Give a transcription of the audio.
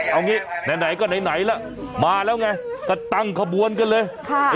เอางี้ไหนก็ไหนล่ะมาแล้วไงก็ตั้งขบวนกันเลย